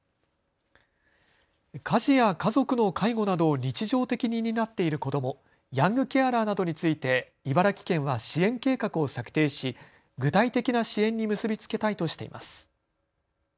家事や家族の介護などを日常的に担っている子ども、ヤングケアラーなどについて茨城県は支援計画を策定し具体的な支援に結び付けたいとしています。